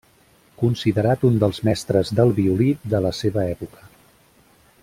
Considerat un dels mestres del violí de la seva època.